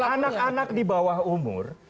anak anak di bawah umur